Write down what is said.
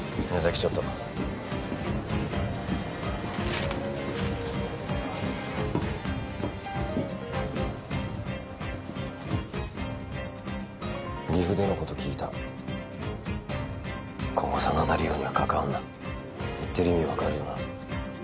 ちょっと岐阜でのこと聞いた今後真田梨央には関わんな言ってる意味分かるよな？